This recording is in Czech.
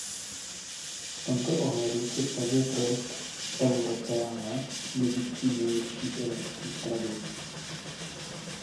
V tomto ohledu představuje projekt Europeana dědictví nejlepších evropských tradic.